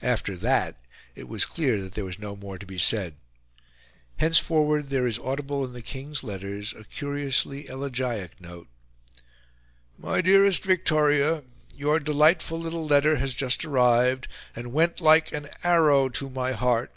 After that, it was clear that there was no more to be said. Henceforward there is audible in the King's letters a curiously elegiac note. "My dearest Victoria, your DELIGHTFUL little letter has just arrived and went like AN ARROW TO MY HEART.